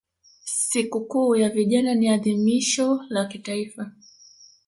Siku kuu ya vijana ni adhimisho la kimataifa